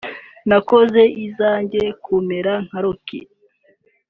nakoze izijya kumera nka Rock